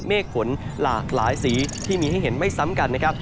เมฆฝนหลากหลายสีที่มีให้เห็นไม่ซ้ำกันนะครับ